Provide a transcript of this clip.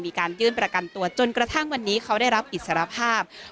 มีการยื่นประกันตัวจนกระทั่งวันนี้เขาได้รับอิสรภาพ